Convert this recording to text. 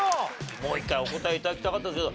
もう一回お答え頂きたかったですけど。